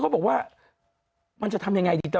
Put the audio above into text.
เค้าบอกว่าจะทำยังไงดี